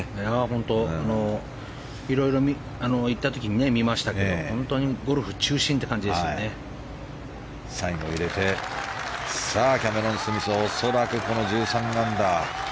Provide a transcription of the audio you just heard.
本当、いろいろ行った時に見ましたけど本当にゴルフ中心という最後、入れてキャメロン・スミスは恐らく１３アンダー。